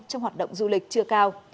trong hoạt động du lịch chưa cao